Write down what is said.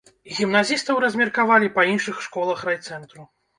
Гімназістаў размеркавалі па іншых школах райцэнтру.